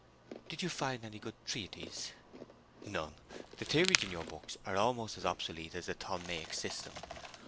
'Did you find any good treatises?' 'None. The theories in your books are almost as obsolete as the Ptolemaic System.